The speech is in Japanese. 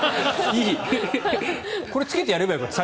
これ、つけてやればよかった。